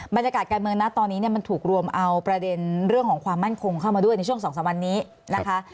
บรรยากาศการเมืองนะตอนนี้เนี่ยมันถูกรวมเอาประเด็นเรื่องของความมั่นคงเข้ามาด้วยในช่วง๒๓วันนี้นะคะ